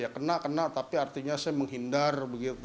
ya kena kena tapi artinya saya menghindar